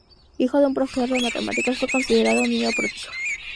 Hijo de un profesor de matemáticas, fue considerado un niño prodigio.